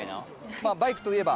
バイクといえば。